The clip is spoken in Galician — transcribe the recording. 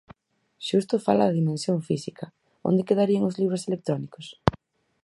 Xusto fala da dimensión física, onde quedarían os libros electrónicos?